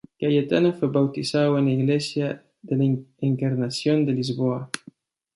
Cayetano fue bautizado en la iglesia de la Encarnación de Lisboa.